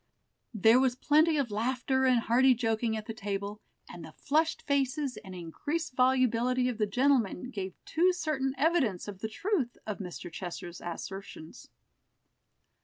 There was plenty of laughter and hearty joking at the table, and the flushed faces and increased volubility of the gentlemen gave too certain evidence of the truth of Mr. Chester's assertions.